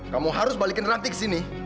kamu harus balikin ranti kesini